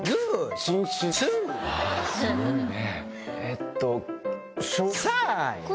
すごいね。